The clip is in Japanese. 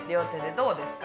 どうですか？